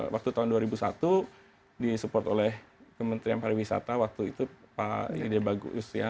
waktu tahun dua ribu satu disupport oleh kementerian pariwisata waktu itu pak ide bagus ya